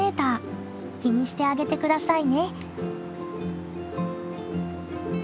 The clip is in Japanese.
気にしてあげてくださいね。